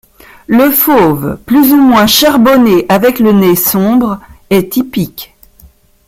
Le fauve plus ou moins charbonné avec le nez sombre est typique.